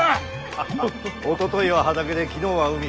ハハおとといは畑で昨日は海。